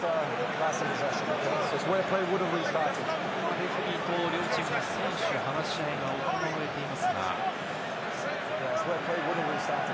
レフェリーと両チームの選手の話し合いが行われていますが。